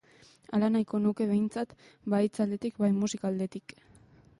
Hala nahiko nuke behintzat, bai hitz aldetik bai musika aldetik.